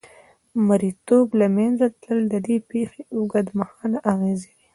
مریتوب له منځه تلل د دې پېښې اوږدمهاله اغېزې وې.